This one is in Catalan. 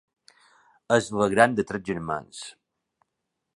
És la gran de tres germans.